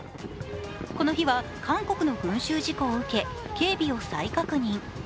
この日は、韓国の群集事故を受け警備を再確認。